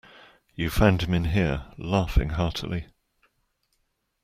You found him in here, laughing heartily.